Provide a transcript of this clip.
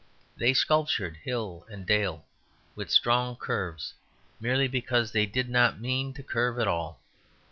They sculptured hill and dale with strong curves merely because they did not mean to curve at all.